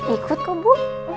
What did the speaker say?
ikut kok bu